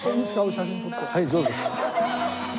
はいどうぞ。